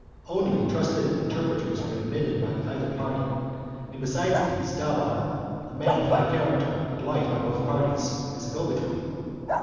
Only trusty interpre ters were admitted by either party, and, besides these, Dabar, a man of high character and liked by both parties, as a go between.